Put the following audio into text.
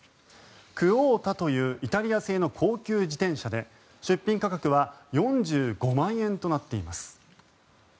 クオータというイタリア製の高級自転車で出品価格は４５万円となっています。